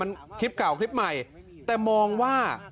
มันคลิปเก่าคลิปใหม่แต่มองว่า